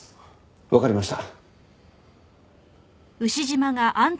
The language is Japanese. わかりました。